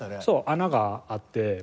そう穴があって。